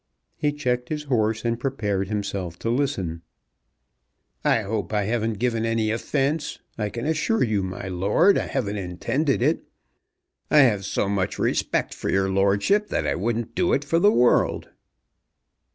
He checked his horse and prepared himself to listen. "I hope I haven't given any offence. I can assure you, my lord, I haven't intended it. I have so much respect for your lordship that I wouldn't do it for the world."